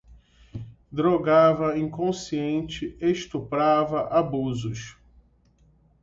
drogava, inconsciente, estuprava, abusos